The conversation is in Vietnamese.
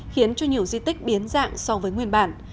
khiến cho nhiều di tích biến dạng so với nguyên bản